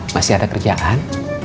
masih ada kerjaan